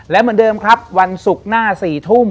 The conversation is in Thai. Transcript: และเหมือนเดิมครับวันศุกร์หน้า๔ทุ่ม